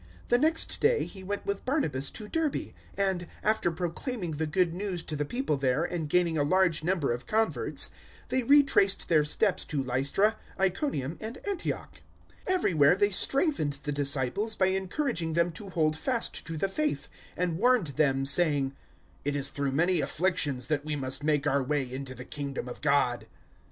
The next day he went with Barnabas to Derbe; 014:021 and, after proclaiming the Good News to the people there and gaining a large number of converts, they retraced their steps to Lystra, Iconium, and Antioch. 014:022 Everywhere they strengthened the disciples by encouraging them to hold fast to the faith, and warned them saying, "It is through many afflictions that we must make our way into the Kingdom of God."